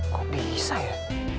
kok bisa ya